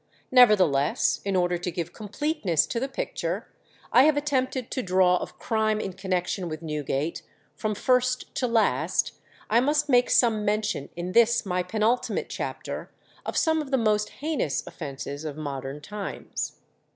Nevertheless, in order to give completeness to the picture I have attempted to draw of crime in connection with Newgate, from first to last, I must make some mention, in this my penultimate chapter, of some of the most heinous offences of modern times.